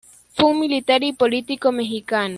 Fue un militar y político mexicano.